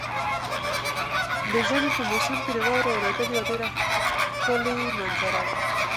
د ژمي په موسم کې د واورې اورېدل یو ډېر ښکلی منظر وي.